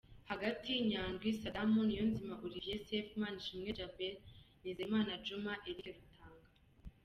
Hagati: Nyandwi Sadamu, Niyonzima Oliviye Sefu, Manishimwe jabeli, Nizeyimana juma, Erike Rutanga .